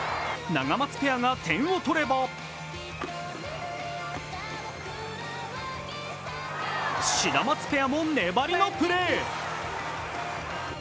ナガマツペアが点を取ればシダマツペアも粘りのプレー。